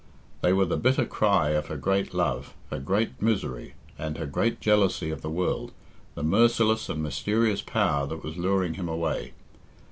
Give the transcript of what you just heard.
They were the bitter cry of her great love, her great misery, and her great jealousy of the world the merciless and mysterious power that was luring him away.